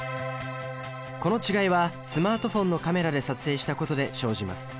この違いはスマートフォンのカメラで撮影したことで生じます。